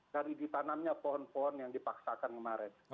dari ditanamnya pohon pohon yang dipaksakan kemarin